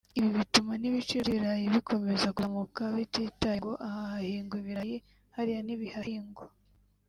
Ibi bituma n’ibiciro by’ibirayi bikomeza kuzamuka bititaye ngo aha hahingwa ibirayi hariya ntibihahingwa